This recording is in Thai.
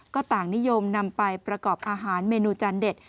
ก็ต่างนิยมนำไปประกอบอาหารเมนูจานเด็ด